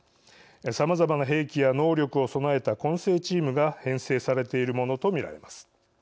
さまざまな兵器や能力を備えた混成チームが編成されているものと見られます。